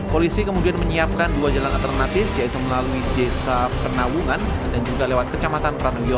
polisi kemudian menyiapkan dua jalan alternatif yaitu melalui desa penawungan dan juga lewat kecamatan pranowo